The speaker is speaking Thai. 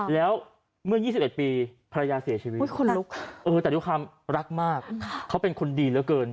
แล้วเมื่อ๒๑ปีภรรยาเสียชีวิตแต่ด้วยความรักมากเขาเป็นคนดีเหลือเกิน